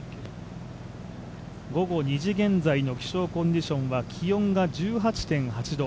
午後２時現在の気象コンディションは気温が１８．８度。